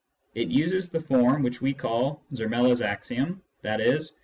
It uses the form which we call " Zermelo's axiom," i.e.